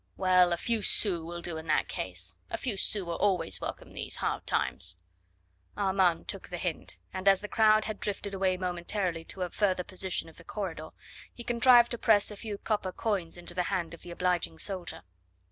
"Well! a few sous will do in that case; a few sous are always welcome these hard times." Armand took the hint, and as the crowd had drifted away momentarily to a further portion of the corridor, he contrived to press a few copper coins into the hand of the obliging soldier.